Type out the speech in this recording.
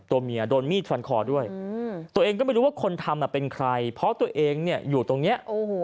ตัวเมียโดนมีดฟันคอด้วยตัวเองก็ไม่รู้ว่าคนทำเป็นใครเพราะตัวเองเนี่ยอยู่ตรงนี้